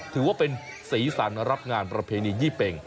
ถือว่าเป็นสีสันรับงานประเพณียี่เป็ง